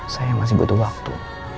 saya masih butuh waktu